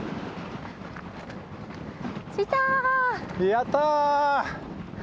やった！